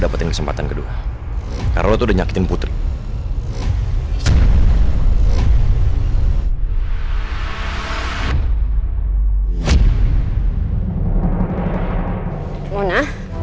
dapat kabar dari dokter ma